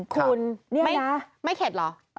คุณไม่เข็ดเหรอ